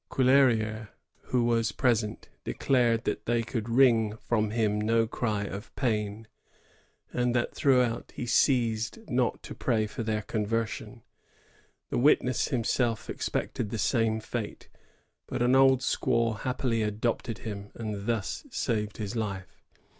Cuill^rier, who was present, declared that they could wring from him no cry of pain, but that throughout he ceased not to pray for their conversion. The witness himself expected the same fate, but an old squaw happily adopted him, and thus saved his life.